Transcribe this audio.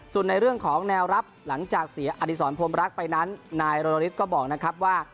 ส่วนในเรื่องของแนวรับหลังจากเสียอดีศรพรมรักไปนั้นนายรณฤทธิ์ก็บอกนะครับว่า